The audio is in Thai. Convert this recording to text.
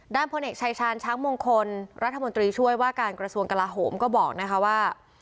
พลเอกชายชาญช้างมงคลรัฐมนตรีช่วยว่าการกระทรวงกลาโหมก็บอกนะคะว่า